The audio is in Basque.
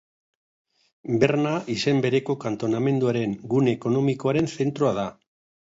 Berna izen bereko kantonamenduaren gune ekonomikoaren zentroa da.